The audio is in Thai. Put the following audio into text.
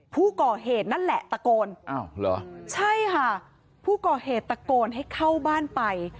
พี่บุหรี่พี่บุหรี่พี่บุหรี่พี่บุหรี่